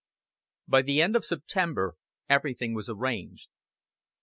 XII By the end of September everything was arranged.